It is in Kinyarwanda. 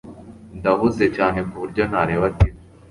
Ndahuze cyane kuburyo ntareba TV